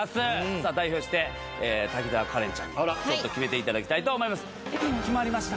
さあ代表して滝沢カレンちゃんにちょっと決めていただきたいと思います。